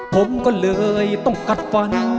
ผมก็เลยต้องกัดฟัน